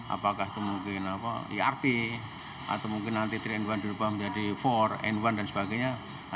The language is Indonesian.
apakah itu mungkin irp atau mungkin nanti tiga in satu dirubah menjadi empat in satu dan sebagainya